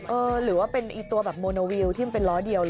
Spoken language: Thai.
เออหรือว่าเป็นตัวแบบโบนาวิวที่เป็นร้อเดียว